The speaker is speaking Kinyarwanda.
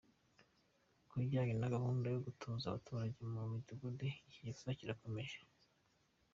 Ku bijyanye na gahunda yo gutuza abaturage mu midugudu, ni igikorwa gikomeza.